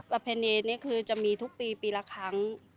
ประเพณีนี้คือจะมีทุกปีปีละครั้ง